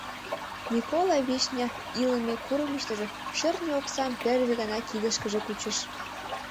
Микола Вишня илыме курымыштыжо шӧртньӧ оксам первый гана кидышкыже кучыш.